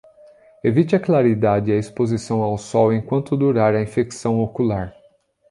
Evite a claridade e a exposição ao sol enquanto durar a infecção ocular